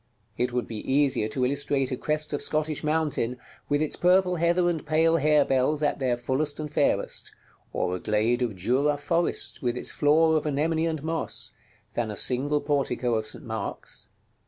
It would be easier to illustrate a crest of Scottish mountain, with its purple heather and pale harebells at their fullest and fairest, or a glade of Jura forest, with its floor of anemone and moss, than a single portico of St. Mark's.